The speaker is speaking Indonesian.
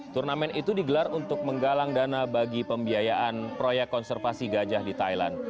turnamen itu digelar untuk menggalang dana bagi pembiayaan proyek konservasi gajah di thailand